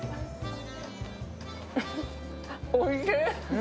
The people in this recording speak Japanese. おいしい！